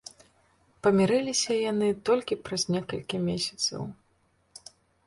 Памірыліся яны толькі праз некалькі месяцаў.